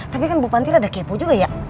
tapi kan ibu panti rada kepo juga ya